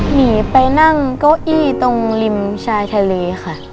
หนีไปนั่งเก้าอี้ตรงริมชายทะเลค่ะ